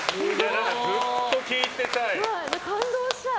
ずっと聴いてたい。